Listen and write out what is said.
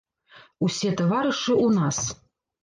Усе таварышы ў нас!